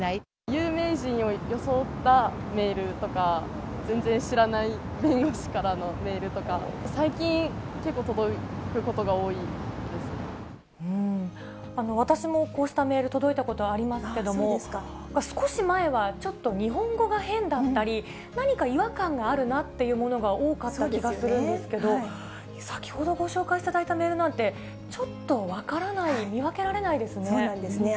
有名人を装ったメールとか、全然知らない弁護士からのメールとか、私もこうしたメール、届いたことありますけども、少し前は、ちょっと日本語が変だったり、何か違和感があるなっていうものが多かった気がするんですけど、先ほどご紹介していただいたメールなんて、ちょっと分からない、そうなんですね。